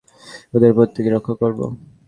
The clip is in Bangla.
ওদের প্রত্যেককে রক্ষা করবো!